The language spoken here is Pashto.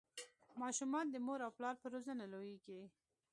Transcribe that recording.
ماشومان د مور او پلار په روزنه لویږي.